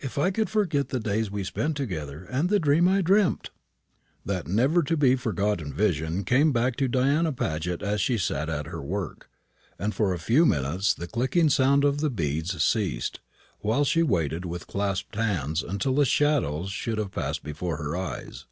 If I could forget the days we spent together, and the dream I dreamt!" That never to be forgotten vision came back to Diana Paget as she sat at her work; and for a few minutes the clicking sound of the beads ceased, while she waited with clasped hands until the shadows should have passed before her eyes.